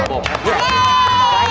sekarang di asik